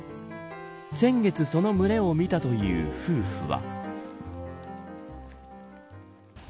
先月、その群れを見たという夫婦は。